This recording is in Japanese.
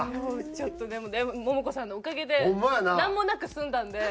ちょっとでもモモコさんのおかげでなんもなく済んだんで。